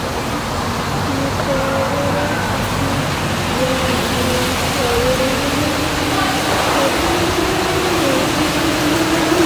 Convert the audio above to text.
مجاور احمد زیار یو پیاوړی پښتو پوه دئ.